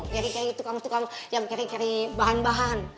carry carry itu kamu yang carry carry bahan bahan